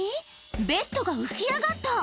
ベッドが浮き上がった。